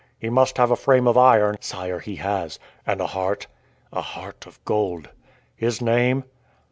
"He must have a frame of iron." "Sire, he has." "And a heart?" "A heart of gold." "His name?"